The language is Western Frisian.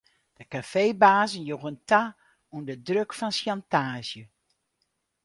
De kafeebazen joegen ta ûnder druk fan sjantaazje.